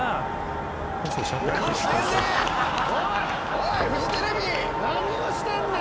おいフジテレビ！